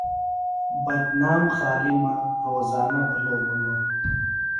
بدنام خالیۡ مہ روزانہ بِھلوۡ بِھلوۡ۔